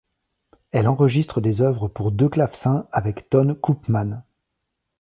Elle enregistre des œuvres pour deux clavecins avec Ton Koopman.